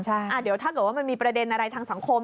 เดี๋ยวถ้าเกิดว่ามันมีประเด็นอะไรทางสังคม